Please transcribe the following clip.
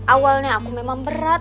awalnya aku memang berat